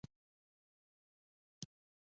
ایا مصنوعي ځیرکتیا د کلتوري یوشان والي لامل نه ګرځي؟